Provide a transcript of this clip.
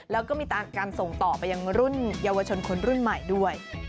แล้วก็มีการส่งต่อไปยังรุ่นเยาวชนคนรุ่นใหม่ด้วย